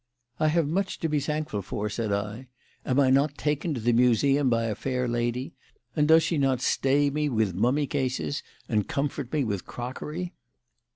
"I have much to be thankful for," said I. "Am I not taken to the Museum by a fair lady? And does she not stay me with mummy cases and comfort me with crockery?"